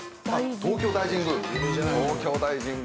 東京大神宮